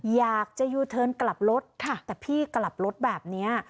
อยากจะยูเทิร์นกลับรถแต่พี่กลับรถแบบนี้